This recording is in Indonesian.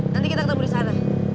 nanti kita ketemu di sana